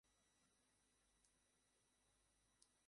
না-কি সবকিছু আগে থেকেই জানো?